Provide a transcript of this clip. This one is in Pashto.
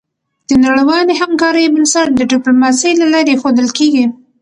د نړیوالې همکارۍ بنسټ د ډيپلوماسی له لارې ایښودل کېږي.